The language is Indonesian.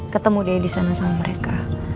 ketemu dia disana sama mereka